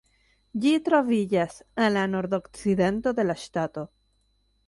Ĝi troviĝas en la nordokcidento de la ŝtato.